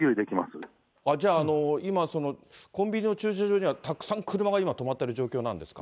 じゃあ、今、コンビニの駐車場にはたくさん車が今、止まっている状況なんですか。